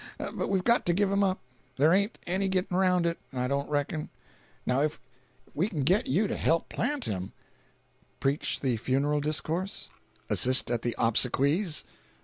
But we've got to give him up. There ain't any getting around that, I don't reckon. Now if we can get you to help plant him—" "Preach the funeral discourse? Assist at the obsequies?"